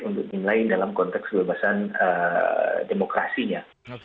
untuk nilai dalam konteks kebebasan demokrasinya